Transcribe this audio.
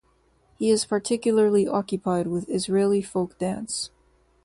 He is particularly occupied with Israeli folk dance.